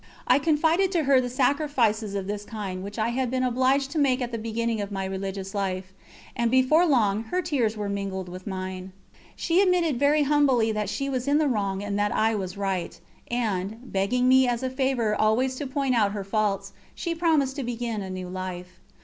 I confided to her the sacrifices of this kind which I had been obliged to make at the beginning of my religious life, and before long her tears were mingled with mine. She admitted very humbly that she was in the wrong and that I was right, and, begging me as a favour always to point out her faults, she promised to begin a new life.